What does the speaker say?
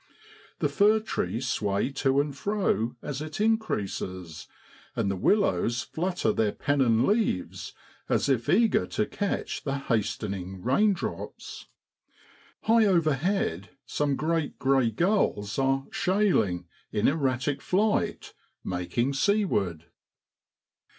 The fir trees sway to and fro as it increases, and the willows flutter their pennon leaves as if eager to catch the hastening raindrops. High over head some great grey gulls are ' shay ling ' in erratic flight, making seaward.